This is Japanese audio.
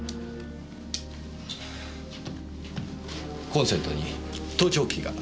コンセントに盗聴器が。